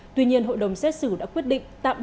tuy nhiên hội đồng xét xử đã quyết định tạm